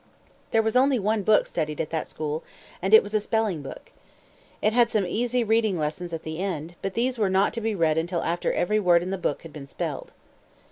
There was only one book studied at that school, and it was a spelling book. It had some easy reading lessons at the end, but these were not to be read until after every word in the book had been spelled.